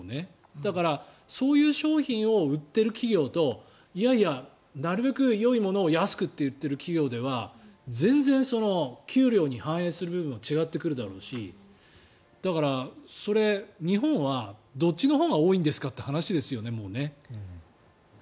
だから、そういう商品を売っている企業といやいや、なるべくよいものを安くと売っている企業は全然、給料に反映する部分が違ってくるだろうしだから、それ、日本はどっちのほうが多いんですかという話ですよね。